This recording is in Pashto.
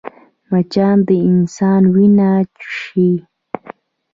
مچان د انسان وینه چوشي